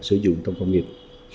sử dụng trong công nghiệp